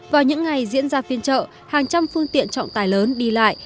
vào những ngày diễn ra phiên chợ hàng trăm phương tiện trọng tài lớn đi lại